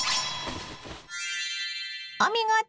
お見事！